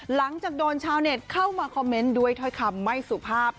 หลังจากโดนชาวเน็ตเข้ามาคอมเมนต์ด้วยถ้อยคำไม่สุภาพ